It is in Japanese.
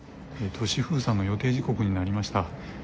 都市封鎖の予定時刻になりました。